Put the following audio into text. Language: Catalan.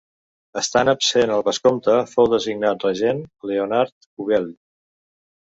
Estant absent el vescomte fou designat regent Lleonard Cubell.